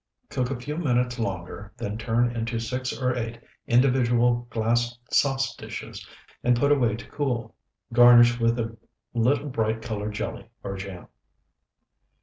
Cook a few minutes longer, then turn into six or eight individual glass sauce dishes, and put away to cool. Garnish with a little bright colored jelly or jam.